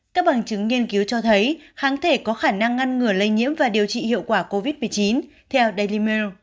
các bằng chứng nghiên cứu cho thấy kháng thể có khả năng ngăn ngửa lây nhiễm và điều trị hiệu quả covid một mươi chín theo daily mail